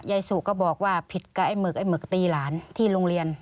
สุก็บอกว่าผิดกับไอ้หมึกไอ้หมึกตีหลานที่โรงเรียน